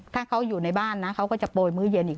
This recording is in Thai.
ถ้าเขาอยู่ในบ้านนะเขาก็จะโปรยมื้อเย็นอีก